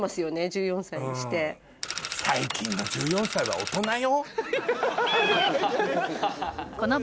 最近の１４歳は大人よ。